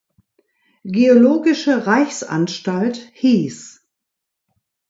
Geologische Reichsanstalt" hieß.